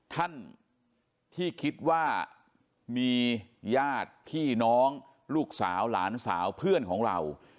ท่านที่คิดว่ามีญาติพี่น้องลูกสาวหลานสาวเพื่อนของเรา